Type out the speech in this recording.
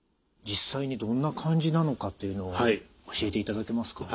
実際にどんな感じなのかというのを教えていただけますか？